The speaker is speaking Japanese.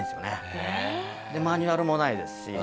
マニュアルもないですし。